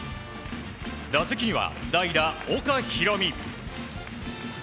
打席には代打、岡大海。